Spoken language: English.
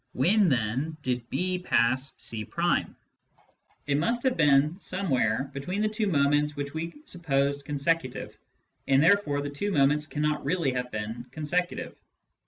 When, then, did B pass C ? It must have been somewhere between the two moments which we supposed consecutive, and there fore the two moments cannot really have been consecutive.